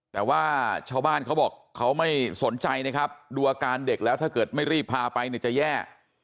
แต่ว่าชาวบ้านเขาบอกเขาไม่สนใจนะครับดูอาการเด็กแล้วถ้าเกิดไม่รีบพาไปเนี่ยจะแย่